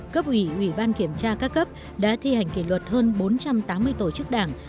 cấp ủy ủy ban kiểm tra các cấp đã thi hành kỷ luật hơn bốn trăm tám mươi tổ chức đảng